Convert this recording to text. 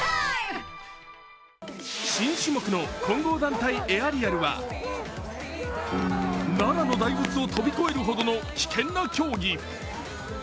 新種目の混合団体エアリアルは奈良の大仏を飛び越えるほどの危険な競技。